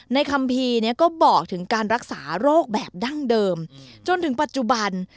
คัมภีร์เนี่ยก็บอกถึงการรักษาโรคแบบดั้งเดิมจนถึงปัจจุบัน